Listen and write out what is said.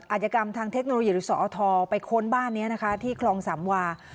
อาจกรรมทางเทคโนโลยีหรือสอทไปค้นบ้านนี้นะคะที่คลองสามวา